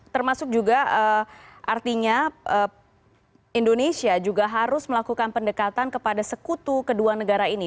termasuk juga artinya indonesia juga harus melakukan pendekatan kepada sekutu kedua negara ini